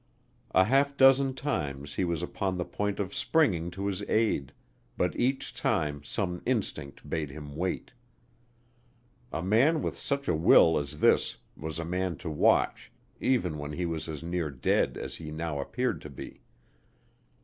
A half dozen times he was upon the point of springing to his aid, but each time some instinct bade him wait. A man with such a will as this was a man to watch even when he was as near dead as he now appeared to be.